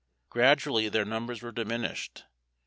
Gradually their numbers were diminished.